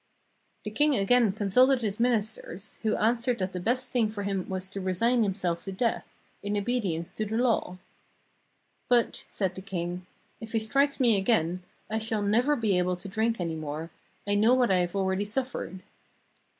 " The king again consulted his ministers, who answered that the best thing for him was to resign himself to death, in obedience to the law. 'But,' said the king, *if he strikes me again, I shall never be able to drink any more; I know what I have already suffered.'